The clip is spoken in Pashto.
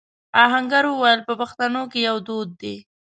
آهنګر وويل: په پښتنو کې يو دود دی.